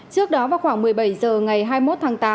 trước đó vào khoảng một mươi bảy h ngày hai mươi một tháng tám